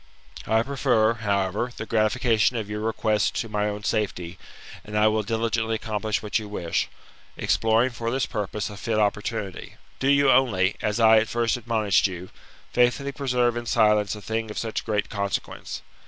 I prefer, however, the gratification of your request to my own safety, and I will willingly accomplish what you wish, exploring for this purpose a fit opportunity. Do you only, as I at first admonished you, faithfully preserve in silence a thing of such great consequence.